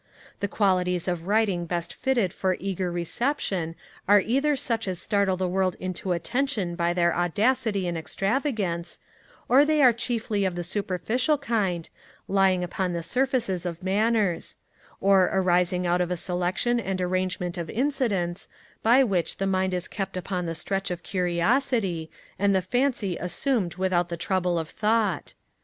The qualities of writing best fitted for eager reception are either such as startle the world into attention by their audacity and extravagance; or they are chiefly of a superficial kind, lying upon the surfaces of manners; or arising out of a selection and arrangement of incidents, by which the mind is kept upon the stretch of curiosity, and the fancy amused without the trouble of thought.